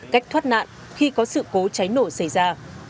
cách thoát nạn khi có sự cố cháy nổ xảy ra